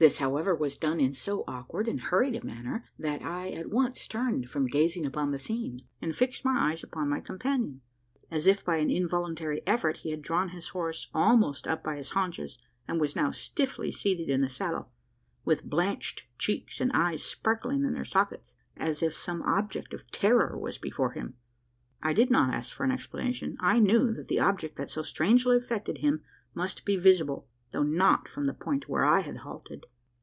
This, however, was done in so awkward and hurried a manner, that I at once turned from gazing upon the scene, and fixed my eyes upon my companion. As if by an involuntary effort, he had drawn his horse almost upon his haunches: and was now stiffly seated in the saddle, with blanched cheeks and eyes sparkling in their sockets as if some object of terror was before him! I did not ask for an explanation. I knew that the object that so strangely affected him must be visible though not from the point where I had halted.